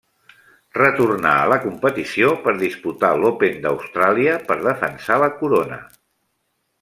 Retornà a la competició per disputar l'Open d'Austràlia per defensar la corona.